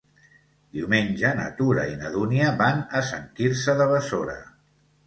Diumenge na Tura i na Dúnia van a Sant Quirze de Besora.